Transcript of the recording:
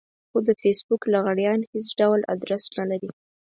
خو د فېسبوک لغړيان هېڅ ډول ادرس نه لري.